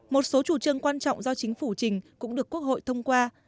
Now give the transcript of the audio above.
một số chủ trương quan trọng do chính phủ trình cũng được quốc hội thông qua